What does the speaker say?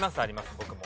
僕も。